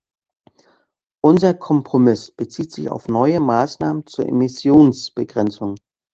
Unser Kompromiss bezieht sich auf neue Maßnahmen zur Emissionsbegrenzung.